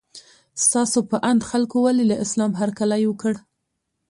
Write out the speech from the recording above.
ستاسو په اند خلکو ولې له اسلام هرکلی وکړ؟